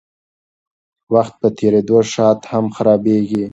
وخت په تېرېدو شات هم خرابیږي.